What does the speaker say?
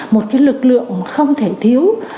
một cái lực lượng không thể thiếu